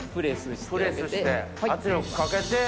プレスして圧力かけて。